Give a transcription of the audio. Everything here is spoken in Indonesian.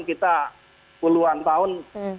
kita puluhan tahun